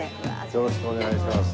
よろしくお願いします。